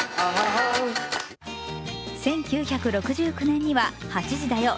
１９６９年には「８時だョ！